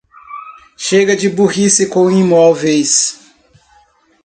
Chega de burrice com imóveis